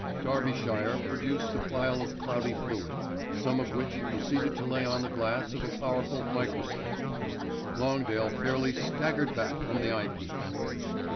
Darbyshire produced a phial of cloudy fluid, some of which he proceeded to lay on the glass of a powerful microscope. Longdale fairly staggered back from the eyepiece.